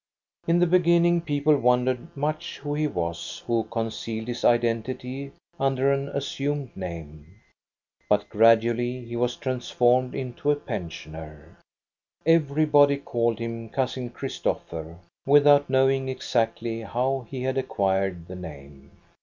In the beginning people wondered much who he was who concealed his identity under an assumed name. But gradually he was transformed into a pensioner. Everybody called him Cousin Christopher, without knowing exactly how he had acquired the name.